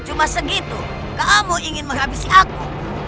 cuma segitu kamu ingin menghabisi aku